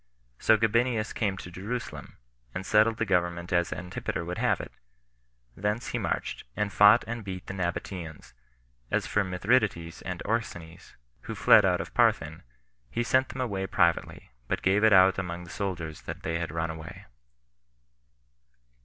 So Gabinius came to Jerusalem, and settled the government as Antipater would have it; thence he marched, and fought and beat the Nabateans: as for Mithridates and Orsanes, who fled out of Parthin, he sent them away privately, but gave it out among the soldiers that they had run away.